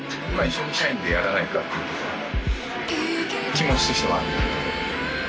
気持ちとしてはある。